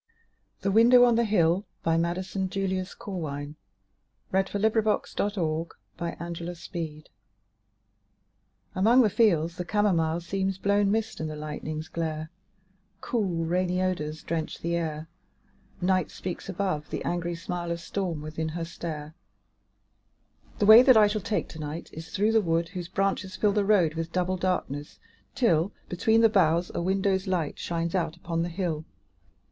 for the lane, the trysting lane, The deep mooned night and her love again! THE WINDOW ON THE HILL Among the fields the camomile Seems blown mist in the lightning's glare: Cool, rainy odors drench the air; Night speaks above; the angry smile Of storm within her stare. The way that I shall take to night Is through the wood whose branches fill The road with double darkness, till, Between the boughs, a window's light Shines out upon the hill.